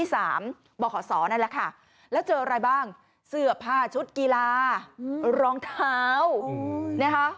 บขศนั่นแหละค่ะแล้วเจออะไรบ้างเสื้อผ้าชุดกีฬารองเท้านะคะ